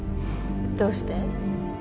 どうして？